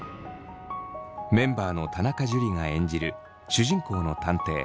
メンバーの田中樹が演じる主人公の探偵高浦